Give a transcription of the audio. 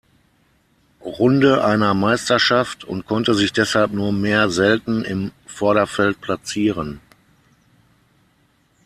Runde einer Meisterschaft und konnte sich deshalb nur mehr selten im Vorderfeld platzieren.